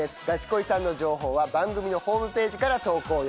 ガチ恋さんの情報は番組のホームページから投稿